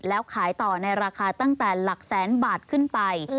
แล้วขายต่อในราคาตั้งแต่หลักแสนบาทขึ้นไป